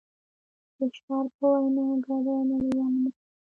د شارپ په وینا ګډه نړیواله نسخه نشته.